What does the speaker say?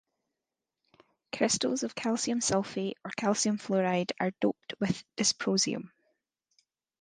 Crystals of calcium sulfate or calcium fluoride are doped with dysprosium.